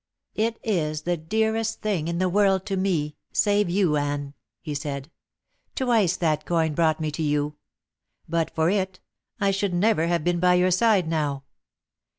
"It is the dearest thing in the world to me, save you, Anne," he said. "Twice that coin brought me to you. But for it I should never have been by your side now."